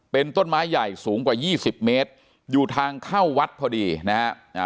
เป็นต้นไม้ใหญ่สูงกว่ายี่สิบเมตรอยู่ทางเข้าวัดพอดีนะฮะอ่า